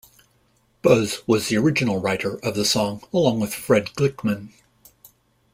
Buz was the original writer of the song along with Fred Glickman.